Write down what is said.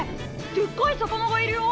でっかい魚がいるよ。